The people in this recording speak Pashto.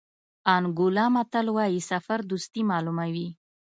انګولا متل وایي سفر دوستي معلوموي.